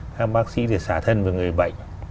các bác sĩ thì xả thân về người bệnh